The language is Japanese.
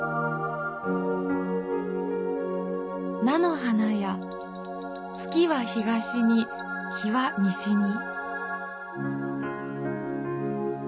「菜の花や月は東に日は西に」。